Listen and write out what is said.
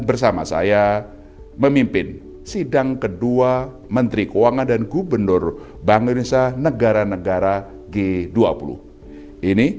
bersama saya memimpin sidang kedua menteri keuangan dan gubernur bank indonesia negara negara g dua puluh ini